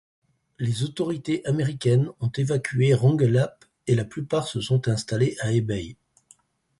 Les autorités américaines ont évacué Rongelap, et la plupart se sont installés à Ebeye.